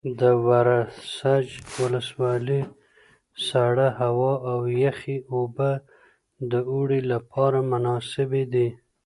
د ورسج ولسوالۍ سړه هوا او یخې اوبه د اوړي لپاره مناسبې دي.